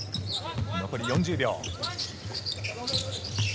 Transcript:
残り４０秒。